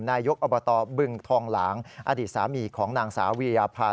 นายกอบตบึงทองหลางอดีตสามีของนางสาววีรภา